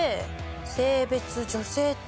性別「女性」と。